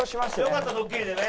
よかったドッキリでね。